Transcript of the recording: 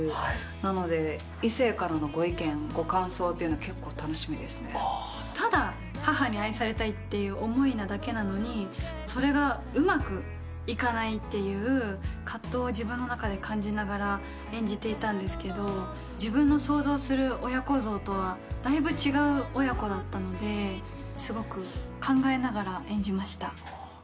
なので、異性からのご意見、ご感想というのが結構楽しみですただ、母に愛されたいという思いなだけなのに、それがうまくいかないっていう、葛藤を自分の中で感じながら演じていたんですけれども、自分の想像する親子像とはだいぶ違う親子だったので、すごく考えながら演じました。